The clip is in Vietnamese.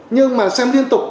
nhưng mà xem liên tục